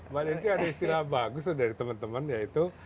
mbak desi ada istilah bagus dari teman teman yaitu